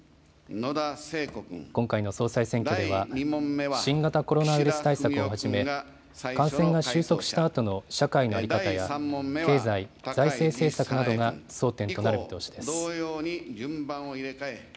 今回の総裁選挙では、新型コロナウイルス対策をはじめ、感染が収束したあとの社会の在り方や、経済・財政政策などが争点となる見通しです。